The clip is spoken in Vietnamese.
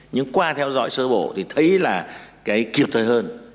nhưng qua theo dõi sơ bổ thì thấy là cái kịp thời hơn